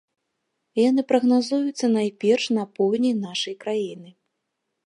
Яны прагназуюцца найперш на поўдні нашай краіны.